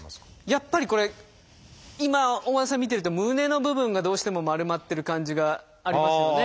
やっぱりこれ今大和田さん見てると胸の部分がどうしても丸まってる感じがありますよね。